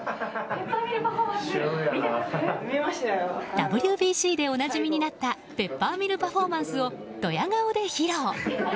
ＷＢＣでおなじみになったペッパーミルパフォーマンスをドヤ顔で披露。